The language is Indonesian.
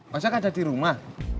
masih ada dia lagi yang harus dikocok bang